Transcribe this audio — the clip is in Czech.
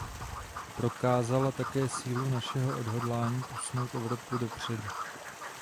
Prokázala také sílu našeho odhodlání posunout Evropu dopředu.